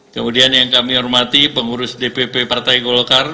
kemudian yang kami hormati pengurus dpp partai golkar